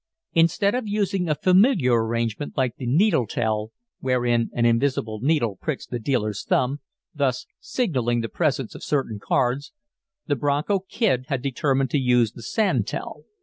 Instead of using a familiar arrangement like the "needle tell," wherein an invisible needle pricks the dealer's thumb, thus signalling the presence of certain cards, the Bronco Kid had determined to use the "sand tell."